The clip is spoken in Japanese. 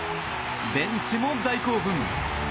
ベンチも大興奮！